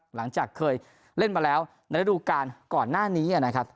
หลังจากเคยเล่นมาแล้วในระดูการก่อนหน้านี้นะครับ